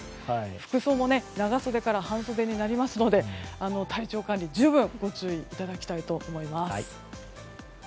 服装も長袖から半袖になりますので体調管理、十分ご注意いただきたいと思います。